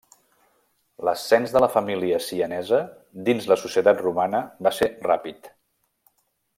L'ascens de la família sienesa dins la societat romana va ser ràpid.